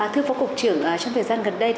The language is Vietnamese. thưa phó cục trưởng trong thời gian gần đây